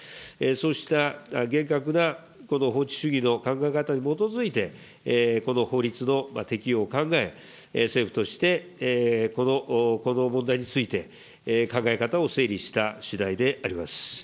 そうした厳格なこの法治主義の考え方に基づいてこの法律の適用を考え、政府としてこの問題について、考え方を整理したしだいであります。